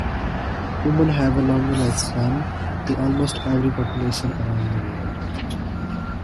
Women have a longer life span in almost every population around the world.